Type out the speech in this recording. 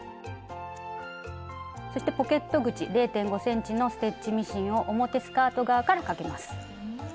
そしてポケット口０．５ｃｍのステッチミシンを表前スカート側からかけます。